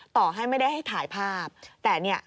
ต่อให้ไม่ได้ให้ถ่ายภาพแต่เนี่ย